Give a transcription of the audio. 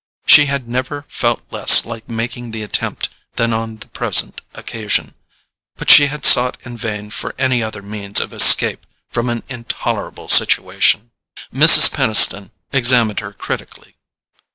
She had never felt less like making the attempt than on the present occasion; but she had sought in vain for any other means of escape from an intolerable situation. Mrs. Peniston examined her critically.